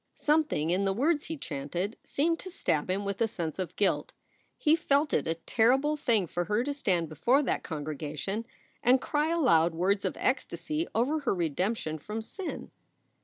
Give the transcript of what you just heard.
Some thing in the words he chanted seemed to stab him with a sense of guilt. He felt it a terrible thing for her to stand before that congregation and cry aloud words of ecstasy over her redemption from sin.